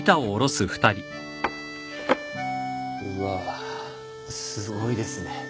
うわすごいですね。